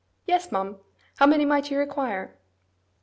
'Yes, ma'am. How many might you require?